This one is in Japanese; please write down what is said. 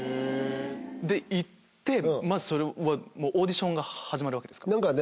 行ってまずオーディションが始まるわけですか？